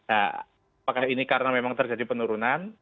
apakah ini karena memang terjadi penurunan